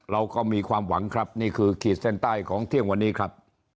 เราก็มีความหวังครับนี่คือขีดเส้นใต้ของเที่ยงวันนี้ครับ